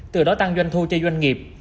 từ đó tăng doanh thu cho doanh nghiệp